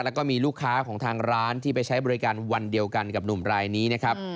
แล้วก็มีลูกค้าของทางร้านที่ไปใช้บริการวันเดียวกันกับหนุ่มรายนี้นะครับ